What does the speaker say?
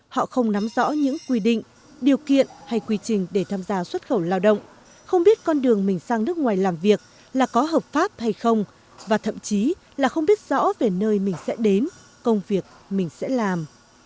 họ không nắm rõ những quy định điều kiện hay quy trình để tham gia xuất khẩu lao động không biết con đường mình sang nước ngoài làm việc là có hợp pháp hay không và thậm chí là không biết rõ về nơi mình sẽ đến công việc mình sẽ làm